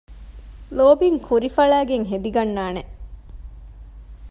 ލޯބިން ކުރި ފަޅައިގެން ހެދިގަންނާނެ